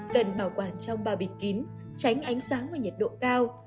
cần bảo quản trong bao bìt kín tránh ánh sáng và nhiệt độ cao